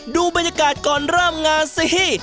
ดูบรรยากาศก่อนเริ่มงานสิ